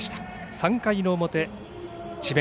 ３回の表智弁